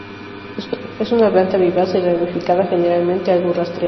Es una planta vivaz y ramificada, generalmente algo rastrera.